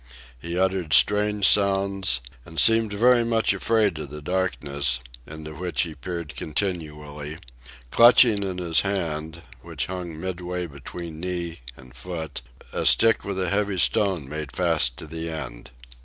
He uttered strange sounds, and seemed very much afraid of the darkness, into which he peered continually, clutching in his hand, which hung midway between knee and foot, a stick with a heavy stone made fast to the end.